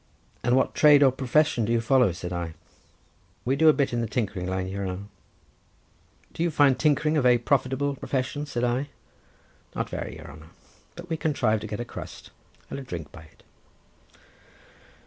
"And what trade or profession do you follow?" said I. "We do a bit in the tinkering line, your haner." "Do you find tinkering a very profitable profession?" said I. "Not very, your haner; but we contrive to get a crust and a drink by it."